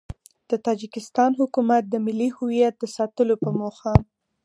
د تاجیکستان حکومت د ملي هویت د ساتلو په موخه